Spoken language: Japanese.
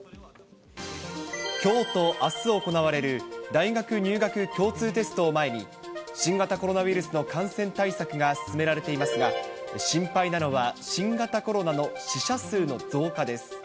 きょうとあす行われる大学入学共通テストを前に、新型コロナウイルスの感染対策が進められていますが、心配なのは、新型コロナの死者数の増加です。